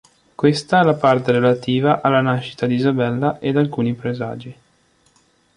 Questa la parte relativa alla nascita di Isabella ed alcuni presagi.